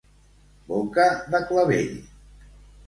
Boca de clavell.